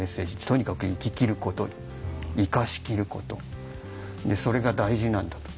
とにかく生ききること生かしきることそれが大事なんだと。